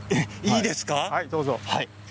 いいですか。